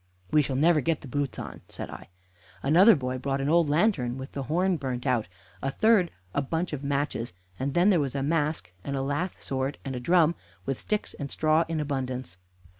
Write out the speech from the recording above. "We shall never get the boots on," said I. Another boy brought an old lantern with the horn burnt out, a third a bunch of matches; then there was a mask and a lath sword and a drum, with sticks and straw in abundance.